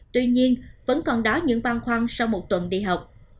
tuy nhiên vẫn còn đó những băng khoăn sau một tuần đi học